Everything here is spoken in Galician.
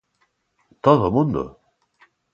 Todo o mundo?